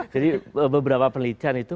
jadi beberapa penelitian itu